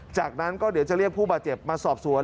จากนั้นก็เดี๋ยวจะเรียกผู้บาดเจ็บมาสอบสวน